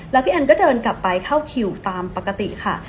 แล้วพี่แอนก็เดินกลับไปเข้าคิวตามปกติค่ะ